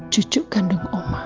cucuk kandung oma